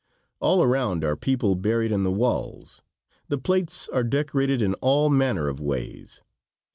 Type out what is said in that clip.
All around are people buried in the walls. The plates are decorated in all manner of ways.